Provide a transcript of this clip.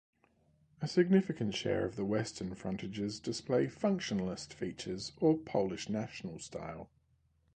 A significant share of the western frontages display functionalist features or Polish National style.